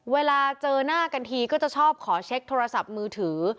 เวลาเจอหน้ากันทีก็จะชอบขอเช็คโทรศัพท์มือถือ